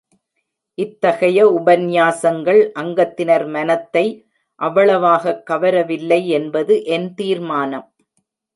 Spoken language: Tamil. இத்தகைய உபன்யாசங்கள் அங்கத்தினர் மனத்தை அவ்வளவாகக் கவரவில்லை என்பது என் தீர்மானம்.